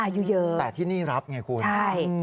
อายุเยอะแต่ที่นี่รับไงคุณใช่